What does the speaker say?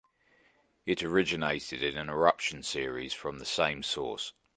It originated in an eruption series from the same source.